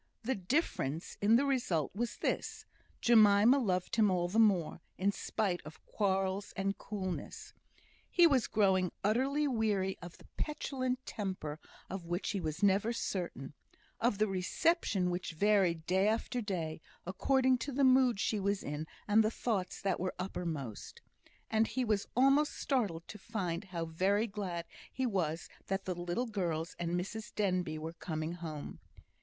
The difference in the result was this: Jemima loved him all the more, in spite of quarrels and coolness. He was growing utterly weary of the petulant temper of which he was never certain; of the reception which varied day after day, according to the mood she was in and the thoughts that were uppermost; and he was almost startled to find how very glad he was that the little girls and Mrs Denbigh were coming home.